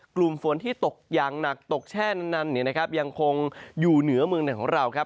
กลุ่มฝนที่ตกอย่างหนักตกแช่นันเนี่ยนะครับยังคงอยู่เหนือเมืองไหนของเราครับ